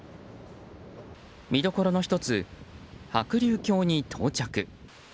見どころの１つ、白竜峡に到着。